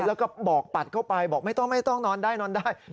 แล้วก็บอกปัดเข้าไปบอกไม่ต้องนอนได้